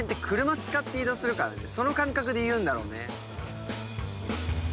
「車使って移動するからその感覚で言うんだろうね」